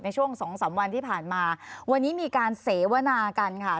ช่วงสองสามวันที่ผ่านมาวันนี้มีการเสวนากันค่ะ